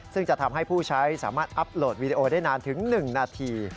ซึ่งจะทำให้ผู้ใช้สามารถอัพโหลดวีดีโอได้นานถึง๑นาที